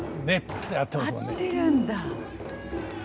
合ってるんだ。